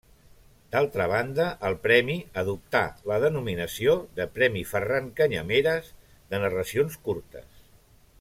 D’altra banda, el premi adoptà la denominació de Premi Ferran Canyameres de narracions curtes.